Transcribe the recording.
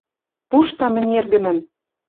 Пуштам мӹнь эргӹмӹм, —